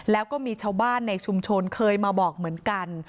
แล้วก็มีชาวบ้านในชุมชนเคยมาบอกเหมือนกัน